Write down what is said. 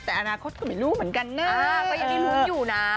แต่อนาคตก็ไม่รู้เหมือนกันนะ